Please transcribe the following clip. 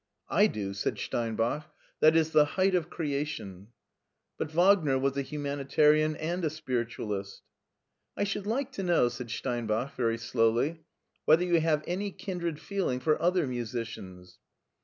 " I do," said Steinbach. " That is the height of creation !" ''But Wagner was a humanitarian and a ^irit ualist" " I should like to know/' said Steinbach very slowly, "whether you have any kindred feeling for other musicians."